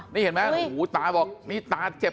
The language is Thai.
นี่เห็นไหมโอ้โหนี่ตาเจ็บ